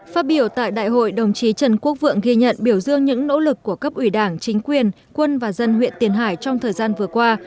phát biểu tại đại hội đồng chí trần quốc vượng ghi nhận biểu dương những nỗ lực của cấp ủy đảng chính quyền quân và dân huyện tiền hải trong thời gian vừa qua